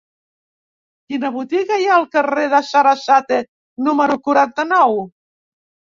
Quina botiga hi ha al carrer de Sarasate número quaranta-nou?